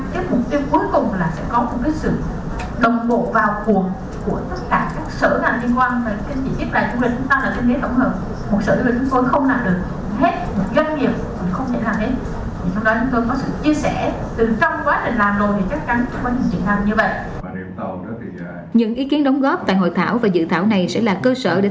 chiến lược này đưa ra cái mục tiêu cuối cùng là sẽ có một cái sự đồng bộ vào cuộc của tất cả các sở hành liên quan